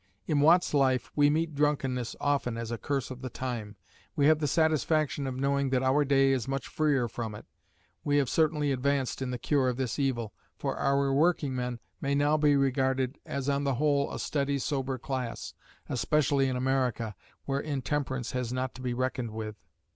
In Watt's life, we meet drunkenness often as a curse of the time. We have the satisfaction of knowing that our day is much freer from it. We have certainly advanced in the cure of this evil, for our working men may now be regarded as on the whole a steady sober class, especially in America, where intemperance has not to be reckoned with.